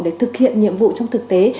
để thực hiện nhiệm vụ trong thực tế